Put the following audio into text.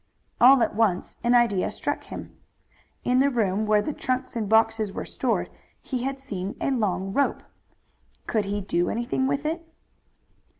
All at once an idea struck him. In the room where the trunks and boxes were stored he had seen a long rope. Could he do anything with it?